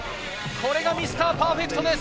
これがミスターパーフェクトです。